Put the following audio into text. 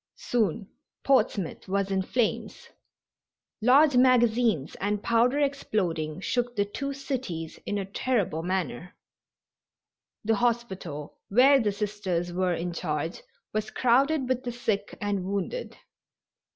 Soon Portsmouth was in flames. Large magazines and powder exploding shook the two cities in a terrible manner. The hospital where the Sisters were in charge was crowded with the sick and wounded.